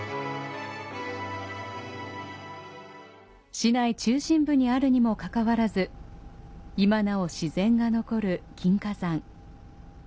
市内中心部にあるにもかかわらず今なお自然が残る金華山。